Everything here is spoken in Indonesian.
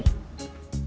kita kan ibaratnya sama